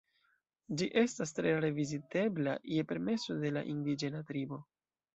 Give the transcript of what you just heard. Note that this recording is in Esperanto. Ĝi estas tre rare vizitebla je permeso de la indiĝena tribo.